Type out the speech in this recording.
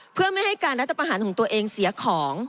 เพื่อไม่ให้การรัฐประหารของตัวเองเสียของ